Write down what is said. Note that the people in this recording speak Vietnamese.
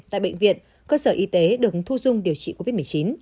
tại bệnh viện cơ sở y tế được thu dung điều trị covid một mươi chín